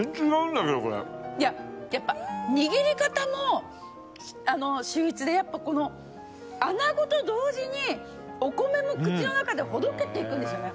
いややっぱ握り方もやっぱこの穴子と同時にお米も口の中でほどけていくんですよね